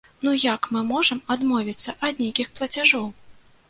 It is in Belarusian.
Ну як мы можам адмовіцца ад нейкіх плацяжоў?